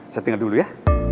saya tinggal dulu ya